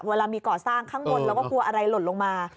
เวลามีก่อสร้างข้างบนเราก็กลัวอะไรหล่นลงมา